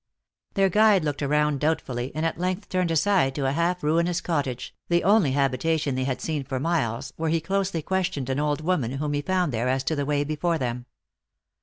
Their guide looked around doubt ingly, and at length turned aside to a half ruinous cottage, the only habitation they had seen for miles, where he closely questioned an old woman whom he found there as to the way before them.